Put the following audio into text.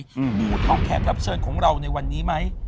บูดเท่าแขกรับเชิญของเราในวันนี้ไหม